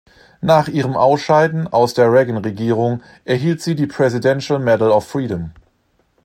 Nach ihrem Ausscheiden aus der Reagan-Regierung erhielt sie die Presidential Medal of Freedom.